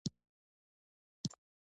له زړګي چې وینه وڅڅوم بیت شي.